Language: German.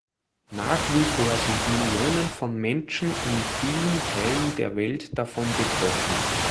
Nach wie vor sind Millionen von Menschen in vielen Teilen der Welt davon betroffen.